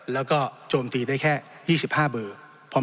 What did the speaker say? แล้วก็โจมตีได้แค่๒๕เบอร์